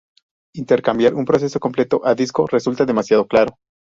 Intercambiar un proceso completo a disco resulta demasiado caro.